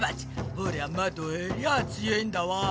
ほりゃまどえりゃあつよいんだわ。